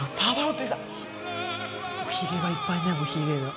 おひげがいっぱいねおひげが。